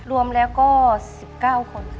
รวมแล้วก็๑๙คนค่ะ